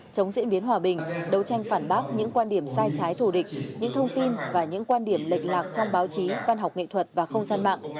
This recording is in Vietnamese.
chống diễn biến hòa bình đấu tranh phản bác những quan điểm sai trái thù địch những thông tin và những quan điểm lệch lạc trong báo chí văn học nghệ thuật và không gian mạng